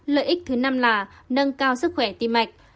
lợi ích thứ năm là nâng cao sức khỏe tim mạch